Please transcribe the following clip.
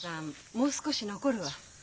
もう少し残るわ。